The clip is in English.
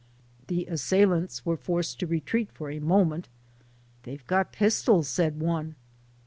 The assailants were forced to retreat for a moment. " They 've got pistols," said one.